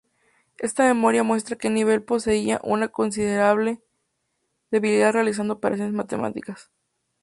Esta memoria muestra que Nevill poseía una considerable habilidad realizando operaciones matemáticas.